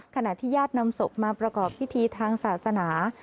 ขณะที่ญาตินำศพมาประกอบพิธีทางศาสนา